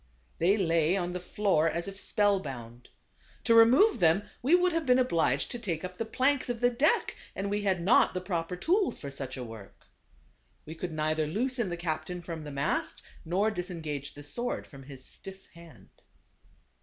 They lay on the floor as if spell bound. To remove them we would have been obliged to take up the planks of the deck, and we had not the proper tools for such a work. We could THE CAR A VAX. 113 neither loosen the captain from the mast, nor disengage the sword from his stiff hand.